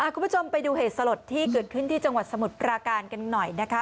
คุณผู้ชมไปดูเหตุสลดที่เกิดขึ้นที่จังหวัดสมุทรปราการกันหน่อยนะคะ